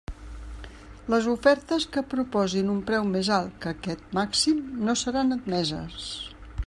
Les ofertes que proposin un preu més alt que aquest màxim no seran admeses.